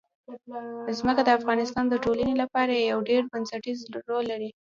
ځمکه د افغانستان د ټولنې لپاره یو ډېر بنسټيز رول لري.